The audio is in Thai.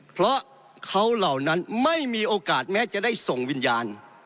เพราะเขาเหล่านั้นไม่มีโอกาสแม้จะได้ส่งวิญญาณ